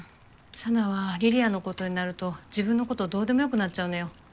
沙奈は梨里杏の事になると自分のことどうでも良くなっちゃうのよ。